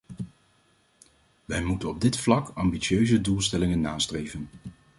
Wij moeten op dit vlak ambitieuze doelstellingen nastreven.